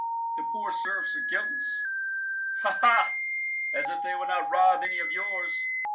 "The poor serfs are guiltless." "Ha! ha! as if they would not rob any of yours.